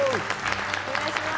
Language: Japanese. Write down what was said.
お願いします。